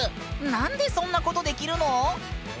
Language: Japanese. なんでそんなことできるの？